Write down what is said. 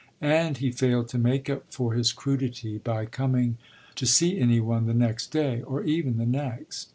And he failed to make up for his crudity by coming to see any one the next day, or even the next.